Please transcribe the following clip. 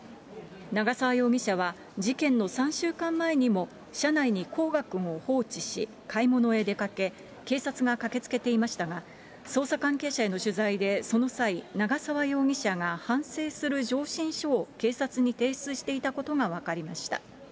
長沢容疑者は、事件の３週間前にも、車内にこうがくんを放置し、買い物へ出かけ、警察が駆けつけていましたが、捜査関係者への取材で、その際、長沢容疑者が反省する上申書を警察に提出していたことが分かりました。